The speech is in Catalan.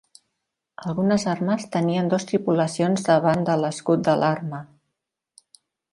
Algunes armes tenien dos tripulacions davant de l'escut de l'arma.